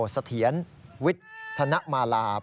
สเถียนวิทธนมาลาบ